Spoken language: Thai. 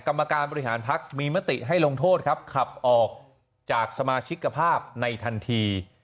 กรรมการบริหารพักมีมติให้ลงโทษครับขับออกจากสมาชิกภาพในทันที